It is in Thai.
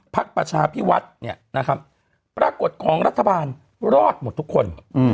ประชาพิวัฒน์เนี่ยนะครับปรากฏของรัฐบาลรอดหมดทุกคน